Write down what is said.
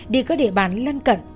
đi các địa bàn lân cận